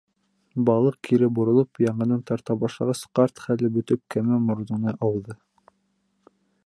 Балыҡ кире боролоп, яңынан тарта башлағас, ҡарт хәле бөтөп кәмә моронона ауҙы.